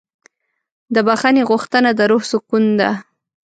د بښنې غوښتنه د روح سکون ده.